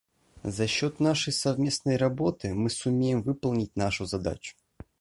За счет нашей совместной работы мы сумеем выполнить нашу задачу.